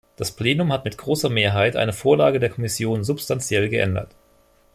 Das Plenum hat mit großer Mehrheit eine Vorlage der Kommission substanziell geändert.